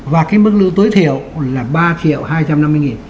và cái mức lương tối thiểu là ba hai trăm năm mươi đồng